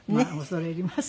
恐れ入ります。